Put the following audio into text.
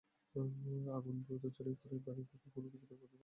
আগুন দ্রুত ছড়িয়ে পড়ায় বাড়ি থেকে কোনো কিছু বের করতে পারেননি তাঁরা।